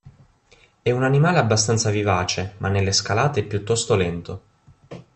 È un animale abbastanza vivace, ma nelle scalate è piuttosto lento.